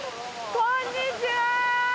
こんにちは。